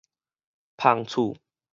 帆厝